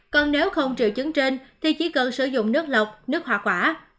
còn nếu không triệu chứng trên thì chỉ cần sử dụng nước lọc nước hoa quả